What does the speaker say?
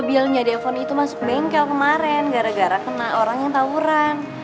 ini tuh masuk bengkel kemaren gara gara kena orang yang tawuran